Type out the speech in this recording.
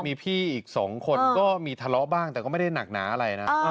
มีพี่อีก๒คนก็มีทะเลาะบ้างแต่ก็ไม่ได้หนักหนาอะไรนะ